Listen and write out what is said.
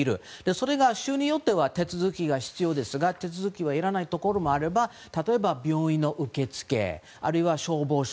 それが州によっては手続きが必要ですが手続きはいらないところもあれば例えば、病院の受付あるいは消防署